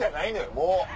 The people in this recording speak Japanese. もう。